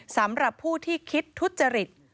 สำหรับผู้ที่คิดทุจริต